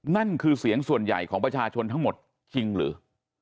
นั่นคือเสียงส่วนใหญ่ของประชาชนทั้งหมดจริงหรือ